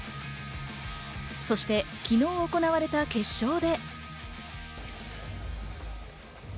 そして昨日行われた決勝で。